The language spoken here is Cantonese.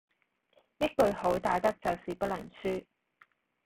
一句好打得就是不能輸